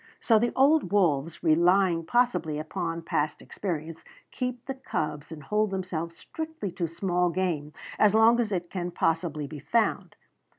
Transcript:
So the old wolves, relying possibly upon past experience, keep the cubs and hold themselves strictly to small game as long as it can possibly be found.